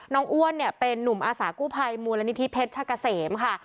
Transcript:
อ้วนเนี่ยเป็นนุ่มอาสากู้ภัยมูลนิธิเพชรชะกะเสมค่ะ